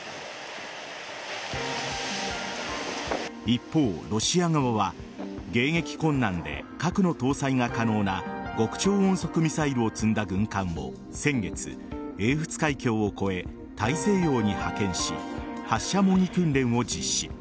一方、ロシア側は迎撃困難で、核の搭載が可能な極超音速ミサイルを積んだ軍艦を先月、英仏海峡を越え大西洋に派遣し発射模擬訓練を実施。